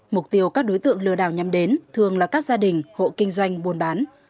mục tiêu các đối tượng lừa đảo nhắm đến thường là các gia đình hộ kinh doanh buôn bán